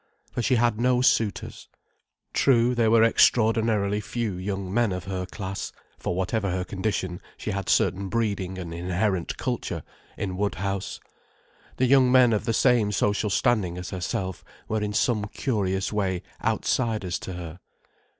For she had no suitors. True there were extraordinarily few young men of her class—for whatever her condition, she had certain breeding and inherent culture—in Woodhouse. The young men of the same social standing as herself were in some curious way outsiders to her.